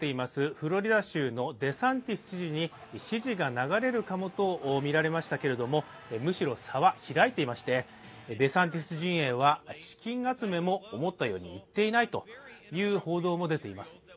フロリダ州のデサンティス知事に支持が流れるかもとみられましたけれども、むしろ差は開いていましてデサンティス陣営は資金集めも思ったようにいっていないという報道も出ています。